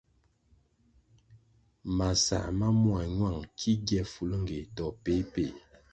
Masãh ma mua ñuáng ki gie bifulngéh to péh péh.